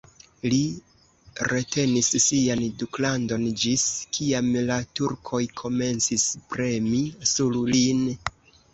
Li retenis sian duklandon ĝis kiam la turkoj komencis premi sur lin.